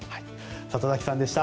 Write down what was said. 里崎さんでした。